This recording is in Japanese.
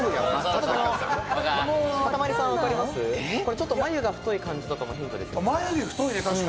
ちょっと眉が太い感じとかもヒントです。